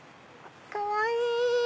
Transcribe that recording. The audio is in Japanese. かわいい！